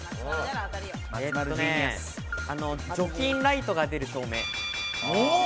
除菌ライトが出る照明。